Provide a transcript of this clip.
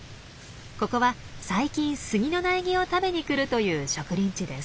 ここは最近スギの苗木を食べに来るという植林地です。